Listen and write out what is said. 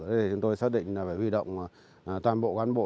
thế thì chúng tôi xác định là phải huy động toàn bộ cán bộ